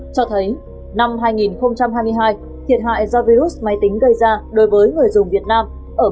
cho thấy năm hai nghìn hai mươi hai thiệt hại do virus máy tính gây ra đối với người dùng việt nam